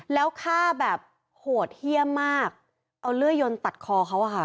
แล้วฆ่าแบบแถวเฮียบมากเอาเลือดยนต์ตัดคอเขาหรอค่ะ